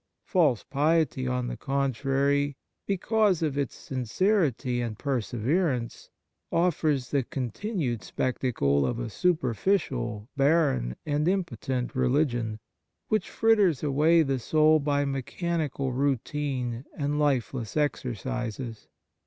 False piety, on the contrary, because of its sincerity and perseverance, offers the continued spectacle of a superficial, barren and impotent religion, which fritters away the soul by mechanical routine and lifeless exercises.